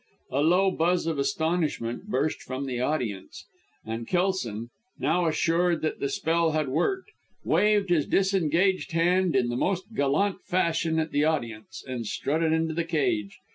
A low buzz of astonishment burst from the audience, and Kelson, now assured that the spell had worked, waved his disengaged hand, in the most gallant fashion, at the audience, and strutted into the cage.